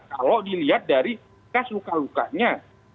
kalau dilihat dari kas luka lukanya